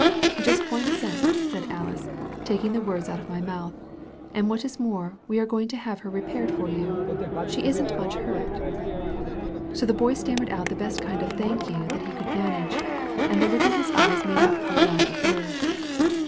" *Just one cent,* said Alice, taking the words out of my mouth, 'and what is more, we are going to have her repaired for you. She isn't much hurt.' So the boy stammered out the best kind of a 'thank you* that he could manage, and the look in his eyes made up for the lack of words.